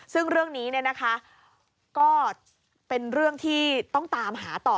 ซึ่งเรื่องนี้ก็เป็นเรื่องที่ต้องตามหาต่อ